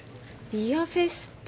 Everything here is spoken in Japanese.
ビアフェスタ。